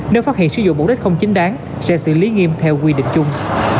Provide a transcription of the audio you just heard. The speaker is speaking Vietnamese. nếu phát hiện sử dụng bổ đất không chính đáng sẽ xử lý nghiêm theo quy định chung